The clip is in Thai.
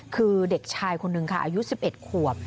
คือเด็กชายคนนึงค่ะอายุ๑๑ขวบ